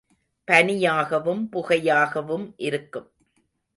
பனியாகவும் புகையாகவும் இருக்கும்.